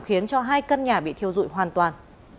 khiến cho hai căn nhà bị thiêu dụi hoàn toàn